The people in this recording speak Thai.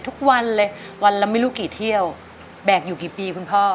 ทุกวันเลยวันละไม่รู้กี่เที่ยวแบกอยู่กี่ปีคุณพ่อ